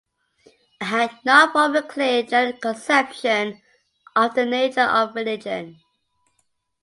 I had not formed a clear general conception of the nature of religion.